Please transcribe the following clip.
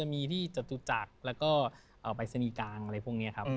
มีที่จตุจักรแล้วก็ปรายศนีย์กลางอะไรพวกนี้ครับ